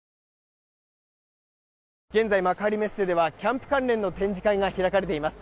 現在、幕張メッセではキャンプ関連の展示会が開かれています。